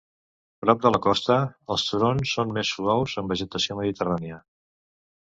Prop de la costa, els turons són més suaus, amb vegetació mediterrània.